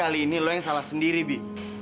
kali ini lo yang salah sendiri bi